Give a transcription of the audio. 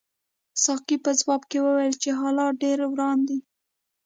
ساقي په ځواب کې وویل چې حالات ډېر وران دي.